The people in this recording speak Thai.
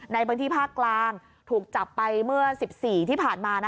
ในบังทิศภาคกลางถูกจับไปเมื่อสิบสี่ที่ผ่านมานะคะ